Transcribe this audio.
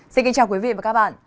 xin kính chào quý vị và các bạn